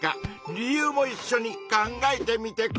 理由もいっしょに考えてみてくれ。